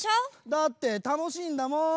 だってたのしいんだもん！